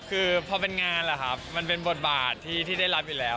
คือพอเป็นงานแหละครับมันเป็นบทบาทที่ได้รับอยู่แล้ว